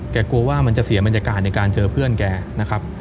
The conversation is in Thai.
กลัวว่ามันจะเสียบรรยากาศในการเจอเพื่อนแกนะครับ